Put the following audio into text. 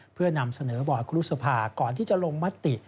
เพื่อนำเสนอบอร์ดครูรุษภาก่อนที่จะลงมติ